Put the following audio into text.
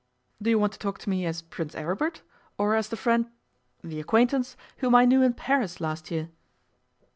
'Do you want to talk to me as Prince Aribert or as the friend the acquaintance whom I knew in Paris last year?